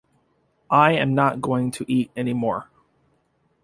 I am not going to eat any more.